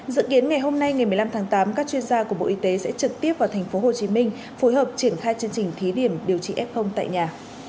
dự kiến ngày hôm nay ngày một mươi năm tháng tám các chuyên gia của bộ y tế sẽ trực tiếp vào thành phố hồ chí minh phối hợp triển khai chương trình thí điểm điều trị f tại nhà